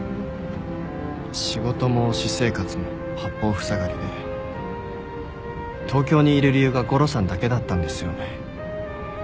仕事も私生活も八方塞がりで東京にいる理由がゴロさんだけだったんですよね。